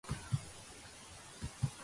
ამას მოყვა სამოქალაქო ომი რომში.